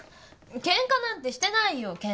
ケンカなんてしてないよ健太。